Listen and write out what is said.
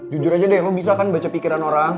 jujur aja deh lo bisa kan baca pikiran orang